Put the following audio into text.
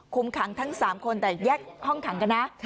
ขังทั้ง๓คนแต่แยกห้องขังกันนะ